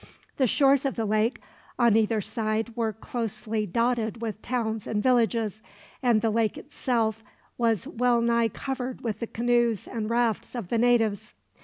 The shores of the lake on either side were closely dotted with towns and villages, and the lake itself was well nigh covered with the canoes and rafts of the natives.